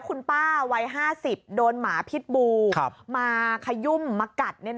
คุณป้าวัย๕๐โดนหมาพิษบูมาขยุ่มมากัด